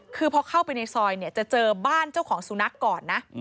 คือพอเข้าไปในซอยเนี่ยจะเจอบ้านเจ้าของสุนัขก่อนนะ